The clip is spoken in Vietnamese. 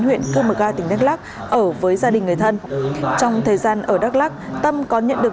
huyện cơ mực a tỉnh đắk lắc ở với gia đình người thân trong thời gian ở đắk lắc tâm có nhận được